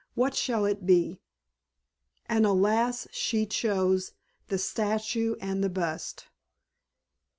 What shall it be?" And, alas, she chose "The Statue and the Bust."